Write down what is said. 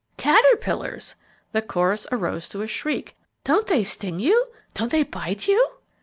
"Caterpillars!" The chorus arose to a shriek. "Don't they sting you? Don't they bite you?"